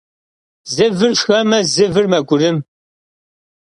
Zı vır şşxeme, zı vır megurım.